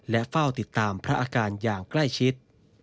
และเฝ้าติดตามพระอาการอย่างใกล้ชิด